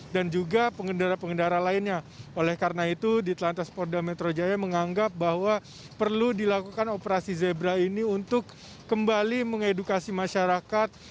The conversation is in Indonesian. dan juga pengendara pengendara lainnya oleh karena itu ditlanjur polda metro jaya menganggap bahwa perlu dilakukan operasi zebra ini untuk kembali mengedukasi masyarakat